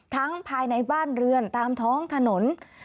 ภายในบ้านเรือนตามท้องถนน